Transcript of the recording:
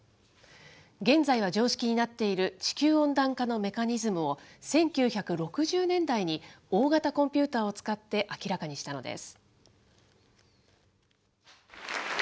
現在は常識になっている地球温暖化のメカニズムを、１９６０年代に大型コンピューターを使って明らかにしたのです。